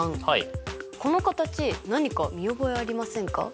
この形何か見覚えありませんか？